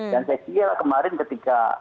dan saya kira kemarin ketika